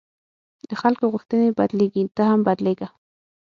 د خلکو غوښتنې بدلېږي، ته هم بدلېږه.